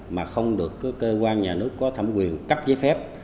mà không được cơ quan nhà nước có thẩm quyền cấp giấy phép